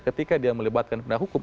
ketika dia melibatkan pendah hukum